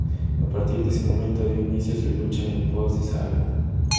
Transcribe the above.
A partir de ese momento, dio inicio su lucha en pos del Sáhara.